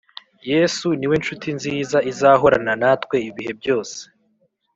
Yesu niwe nshuti nziza izahorana natwe ibihe byose